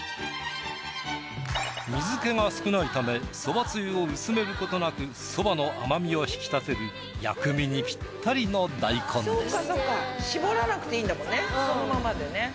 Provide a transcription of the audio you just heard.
水けが少ないためそばつゆを薄めることなくそばの甘みを引き立てる薬味にぴったりの大根です。